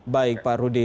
baik pak rudy